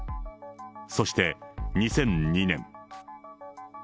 そして２００２年。